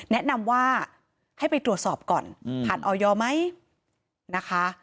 แนะนำว่าให้ไปตรวจสอบก่อนผ่านออยไหมนะคะ